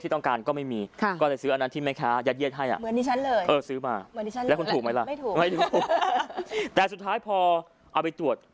แต่สุดท้ายพอเอาไปตรวจ